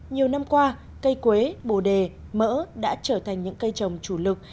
nhiều năm qua cây quế bồ đề mỡ đã trở thành những cây trồng chủ lực